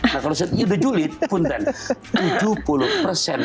nah kalau sudah julid